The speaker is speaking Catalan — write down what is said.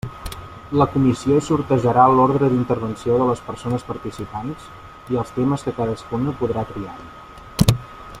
La comissió sortejarà l'ordre d'intervenció de les persones participants i els temes que cadascuna podrà triar-hi.